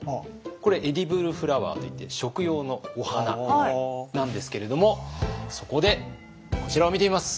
これエディブルフラワーといって食用のお花なんですけれどもそこでこちらを見てみます。